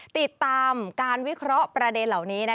ติดตามการวิเคราะห์ประเด็นเหล่านี้